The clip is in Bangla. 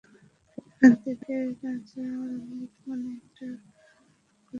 এখন থেকে রাজারামের মনে একটা কথা ঘুরে বেড়াতে লাগল।